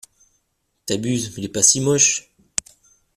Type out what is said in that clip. T'abuses, il est pas si moche.